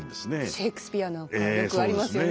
シェークスピアなんかよくありますよね